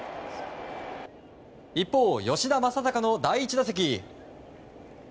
一方、吉田正尚の第１打席。